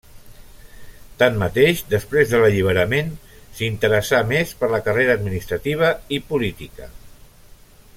Tanmateix, després de l'Alliberament s'interessà més per la carrera administrativa i política.